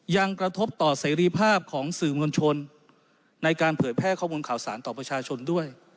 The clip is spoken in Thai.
ยังกระทบต่อเสรีภาพของสื่อมวลชนในการเผยแพร่ข้อมูลข่าวสารต่อประชาชนด้วย